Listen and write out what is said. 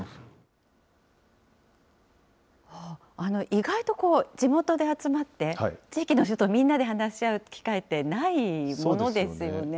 意外と地元で集まって、地域の人とみんなで話し合う機会ってないものですよね。